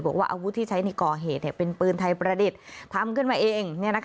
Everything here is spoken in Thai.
อาวุธที่ใช้ในก่อเหตุเป็นปืนไทยประดิษฐ์ทำขึ้นมาเอง